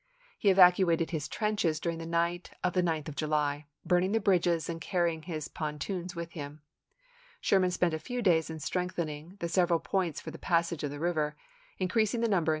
He evacuated his trenches during the night of the 9th of July, burning the bridges and carrying his pontoons with him. Sherman spent a few days in strengthening the several points for the passage of the river, increasing the number and .